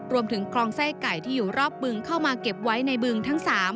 รวมถึงคลองไส้ไก่ที่อยู่รอบบึงเข้ามาเก็บไว้ในบึงทั้ง๓